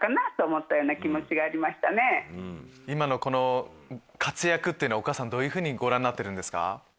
今の活躍っていうのはお母さんどうご覧になってるんですか？